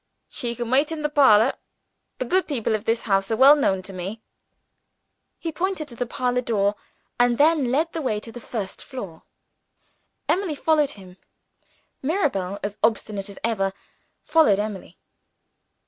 "She can wait in the parlor; the good people of this house are well known to me." He pointed to the parlor door and then led the way to the first floor. Emily followed him. Mirabel, as obstinate as ever, followed Emily.